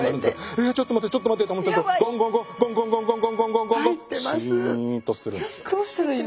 えちょっと待ってちょっと待ってと思ってるとゴンゴンゴンゴンゴンゴンゴンゴンシーンとするんです。